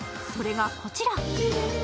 それがこちら。